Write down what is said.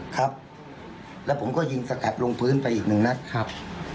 ครับแล้วผมก็ยิงสกัดลงพื้นไปอีกหนึ่งนัดครับ